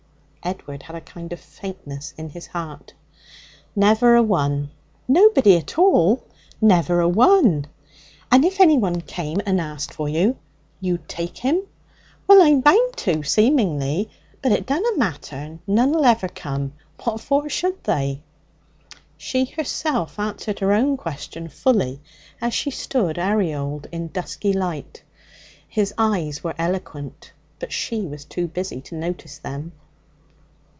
Edward had a kind of faintness in his heart. 'Never a one.' 'Nobody at all?' 'Never a one.' 'And if anyone came and asked for you, you'd take him?' 'Well, I'm bound to, seemingly. But it dunna matter. None'll ever come. What for should they?' She herself answered her own question fully as she stood aureoled in dusky light. His eyes were eloquent, but she was too busy to notice them.